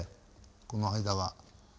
この間が。